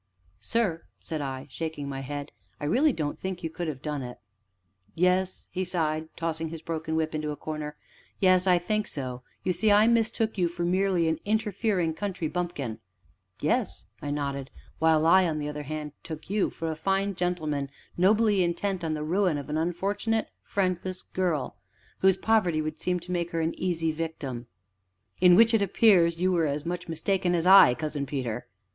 "Sir," said I, shaking my head, "I really don't think you could have done it." "Yes," he sighed, tossing his broken whip into a corner. "Yes, I think so you see, I mistook you for merely an interfering country bumpkin " "Yes," I nodded, "while I, on the other hand, took you for a fine gentleman nobly intent on the ruin of an unfortunate, friendless girl, whose poverty would seem to make her an easy victim " "In which it appears you were as much mistaken as I, Cousin Peter."